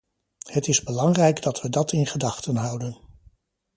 Het is belangrijk dat we dat in gedachten houden.